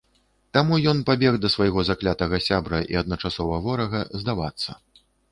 Таму ён і пабег да свайго заклятага сябра і адначасова ворага здавацца.